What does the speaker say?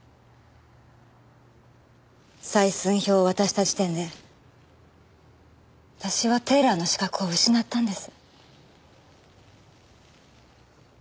採寸表を渡した時点で私はテーラーの資格を失ったんです。